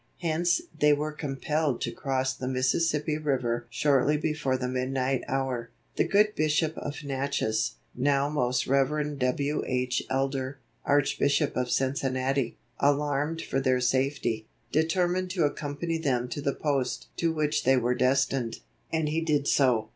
Hence they were compelled to cross the Mississippi River shortly before the midnight hour. The good Bishop of Natchez, now Most Rev. W. H. Elder, Archbishop of Cincinnati, alarmed for their safety, determined to accompany them to the post to which they were destined, and he did so.